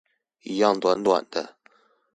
一樣短短的